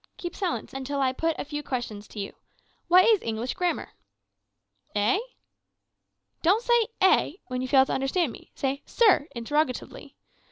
Keep silence until I put a few questions to you. What is English grammar?' "`Eh?' "`Don't say "Eh!" When you fail to understand me, say "Sir?" interrogatively.